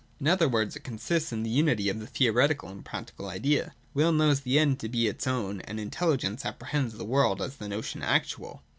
In other words, it consists in the unity of the theoretical and practical idea. Will knows the end to be its own, and Intelligence apprehends the world as the notion actual.